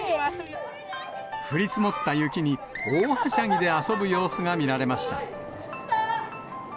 降り積もった雪に大はしゃぎで遊ぶ様子が見られました。